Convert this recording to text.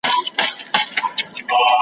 هر گړی راته تر سترگو سترگو کېږې .